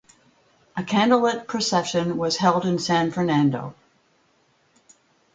A candlelit procession was held in San Fernando.